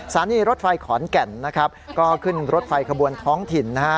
สถานีรถไฟขอนแก่นนะครับก็ขึ้นรถไฟขบวนท้องถิ่นนะฮะ